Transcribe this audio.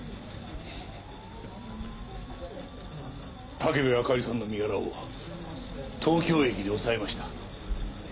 武部あかりさんの身柄を東京駅で押さえました。